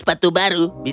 berada di petip receiving